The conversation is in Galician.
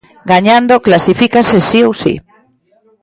Gañando, clasifícase si ou si.